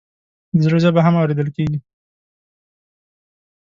د زړه ژبه هم اورېدل کېږي.